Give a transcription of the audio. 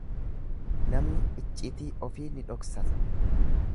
Namni iccitii ofii ni dhoksata.